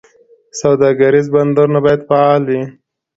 سوداګریز بندرونه باید فعال وي.